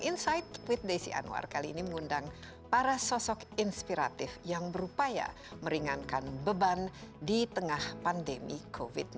insight with desi anwar kali ini mengundang para sosok inspiratif yang berupaya meringankan beban di tengah pandemi covid sembilan belas